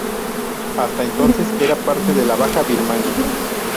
Hasta entonces era parte de la Baja Birmania.